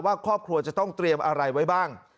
ว่าครอบครัวจะต้องเตรียมอะไรไว้บ้าง